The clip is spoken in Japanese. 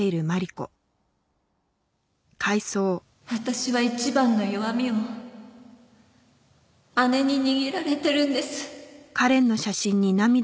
私は一番の弱みを姉に握られてるんです。